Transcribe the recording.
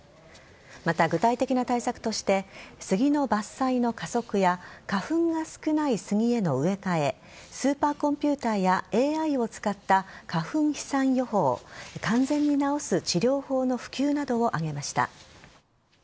また、具体的な対策としてスギの伐採の加速や花粉が少ないスギへの植え替えスーパーコンピューターやＡＩを使った花粉飛散予報完全に治す治療法の普及などを挙げました。